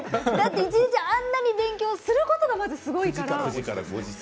一日あんなに勉強することがまずすごいから。